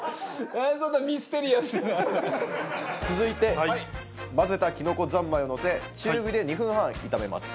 続いて混ぜたきのこ三昧をのせ中火で２分半炒めます。